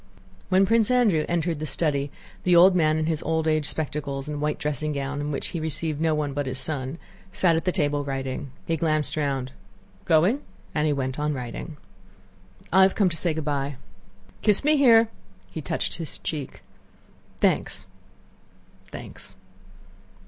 When Prince Andrew entered the study the old man in his old age spectacles and white dressing gown, in which he received no one but his son, sat at the table writing. He glanced round. "Going?" And he went on writing. "I've come to say good by." "Kiss me here," and he touched his cheek: "Thanks, thanks!"